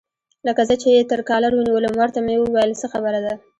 لکه زه چې یې تر کالر ونیولم، ورته مې وویل: څه خبره ده؟